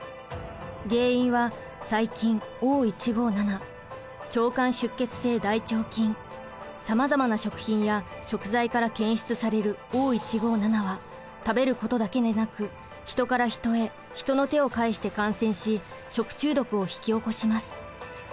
原因は細菌さまざまな食品や食材から検出されるＯ１５７は食べることだけでなく人から人へ人の手を介して感染し食中毒を引き起こします。